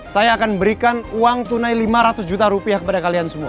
saya akan berikan uang tunai lima ratus juta rupiah kepada kalian semua